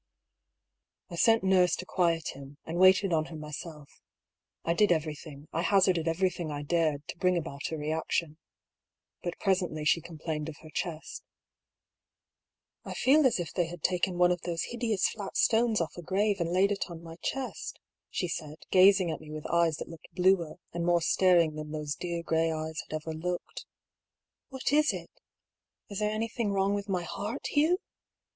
I sent Nurse to quiet him, and waited on her myself. I did everything, I hazarded everything I dared, to bring about a reaction. But presently she complained of her chest. '^ I feel as if they had taken one of those hideous flat stones off a grave and laid it on my chest," she said, gaz ing at me with eyes that looked bluer and more staring than those dear grey eyes had ever looked. " What is it? Is there anything wrong with my heart, Hugh!